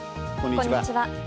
こんにちは。